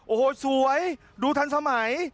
โอ้โหสวยดูทันสมัย